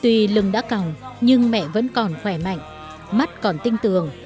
tùy lưng đã còng nhưng mẹ vẫn còn khỏe mạnh mắt còn tinh tường